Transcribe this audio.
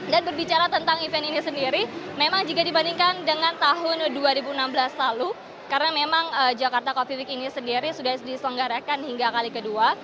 dan berbicara tentang event ini sendiri memang jika dibandingkan dengan tahun dua ribu enam belas lalu karena memang jakarta coffee week ini sendiri sudah diselenggarakan hingga kali kedua